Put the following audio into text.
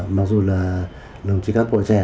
mặc dù là đồng chí các bộ trẻ